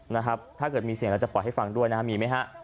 ถ้าเกิดมีเสียงเราจะปล่อยให้ฟังด้วยนะฮะมีไหมฮะ